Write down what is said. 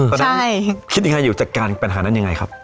ตอนนั้นคิดยังไงอยู่จัดการปัญหานั้นยังไงครับ